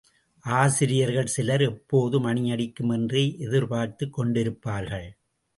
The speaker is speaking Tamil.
ஆசிரியர்கள் சிலர் எப்போது மணியடிக்கும் என்றே எதிர்பார்த்துக் கொண்டிருப்பார்கள்.